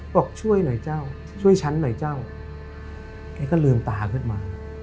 บอกช่วยหน่อยเจ้าช่วยฉันหน่อยเจ้าแกก็ลืมตาขึ้นมา